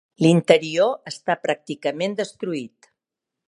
L'interior està pràcticament destruït.